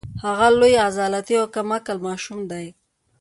هغه یو لوی عضلاتي او کم عقل ماشوم دی